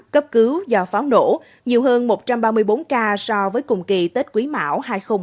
cấp cứu do pháo nổ nhiều hơn một trăm ba mươi bốn ca so với cùng kỳ tết quý mão hai nghìn hai mươi ba